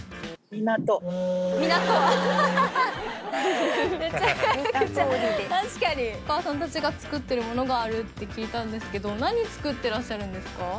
お母さんたちが作ってるものがあるって聞いたんですけど何作ってらっしゃるんですか？